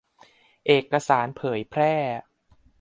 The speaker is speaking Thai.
เอกสารเผยแพร่